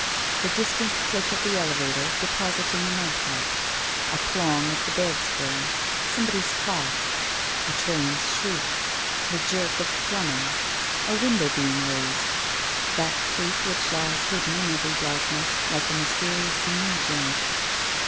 The distant click of the elevator depositing a nighthawk. A plong of the bedspring. Somebody's cough. A train's shriek. The jerk of plumbing. A window being raised. That creak which lies hidden in every darkness, like a mysterious knee joint.